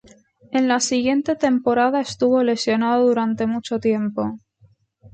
En la siguiente temporada estuvo lesionado durante mucho tiempo.